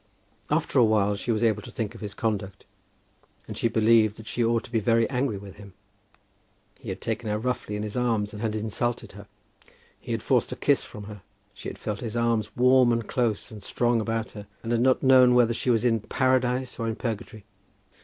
After a while she was able to think of his conduct, and she believed that she ought to be very angry with him. He had taken her roughly in his arms, and had insulted her. He had forced a kiss from her. She had felt his arms warm and close and strong about her, and had not known whether she was in paradise or in purgatory.